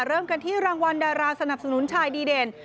เริ่มกันที่รางวัลดาราสนับสนุนชายดีเด่น